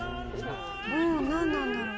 「うんなんなんだろう？」